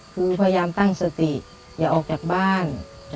คือพยายามตั้งสติอย่าออกจากบ้าน